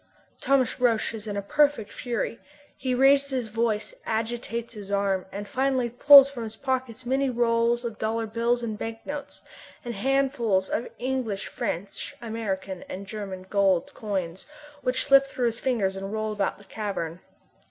Thomas Roch is in a perfect fury. He raises his voice, agitates his arms, and finally pulls from his pockets many rolls of dollar bills and banknotes, and handfuls of English, French, American and German gold coins, which slip through his fingers and roll about the cavern.